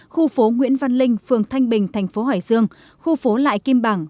khu phố nguyễn văn linh phường thanh bình thành phố hải dương khu phố lại kim bảng